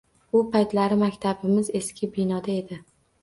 U paytlari maktabimiz eski binoda edi.